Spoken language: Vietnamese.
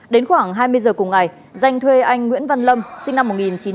đến khoảng hai mươi giờ cùng ngày danh thuê anh nguyễn văn lâm sinh năm một nghìn chín trăm tám mươi